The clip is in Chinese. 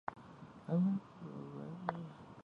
仁娣柯铠虾为铠甲虾科柯铠虾属下的一个种。